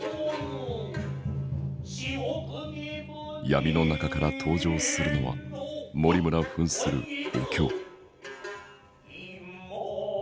闇の中から登場するのは森村ふんするお京。